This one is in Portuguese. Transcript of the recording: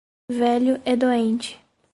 Velho e doente